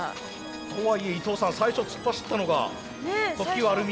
とはいえ伊藤さん最初突っ走ったのが特急あるみ。